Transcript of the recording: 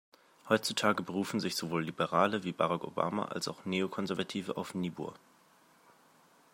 Heutzutage berufen sich sowohl Liberale wie Barack Obama als auch Neokonservative auf Niebuhr.